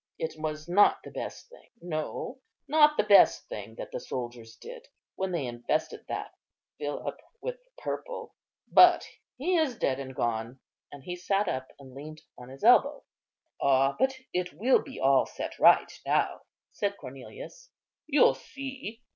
It was not the best thing, no, not the best thing that the soldiers did, when they invested that Philip with the purple. But he is dead and gone." And he sat up and leant on his elbow. "Ah! but it will be all set right now," said Cornelius, "you'll see."